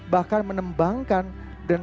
bahkan menembangkan dan